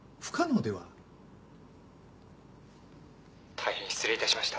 「大変失礼致しました！」